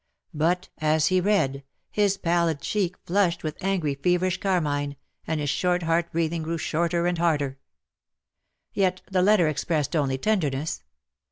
But, as he read, his pallid cheek flushed with angry feverish carmine, and his short hard breathing grew shorter and harder. Yet the letter expressed only tenderness.